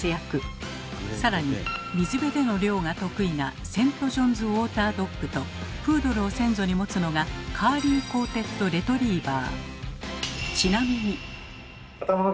更に水辺での猟が得意なセント・ジョンズ・ウォーター・ドッグとプードルを先祖に持つのがカーリーコーテッド・レトリーバー。